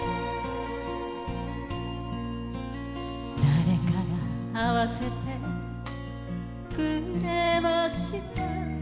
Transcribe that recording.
誰かが会わせてくれました